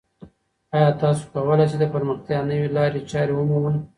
ایا تاسو کولای شئ د پرمختیا نوې لارې چارې ومومئ؟